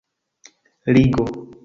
ligo